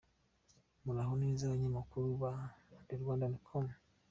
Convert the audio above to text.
Muraho neza banyamakuru ba The Rwandan.com !